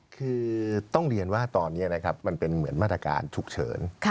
คือต้องเรียนว่าตอนนี้นะครับมันเป็นเหมือนมาตรการฉุกเฉิน